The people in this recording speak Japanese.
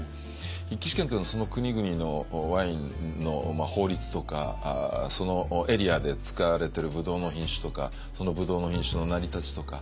筆記試験というのはその国々のワインの法律とかそのエリアで使われてるブドウの品種とかそのブドウの品種の成り立ちとか。